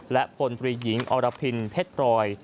และพลตรีหญิงอรพินเพชรพรอย